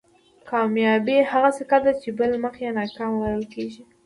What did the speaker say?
کامیابي هغه سکه ده چې بل مخ یې ناکامي بلل کېږي.